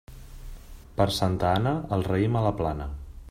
Per Santa Anna, el raïm a la plana.